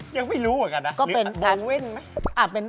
ยังไม่รู้เหรอกันนะหรือโบเว่นไหม